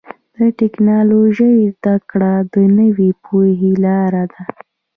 د ټکنالوجۍ زدهکړه د نوې پوهې لاره ده.